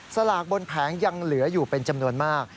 สลากบนแผงยังเหลืออยู่เป็นจำนวนมาก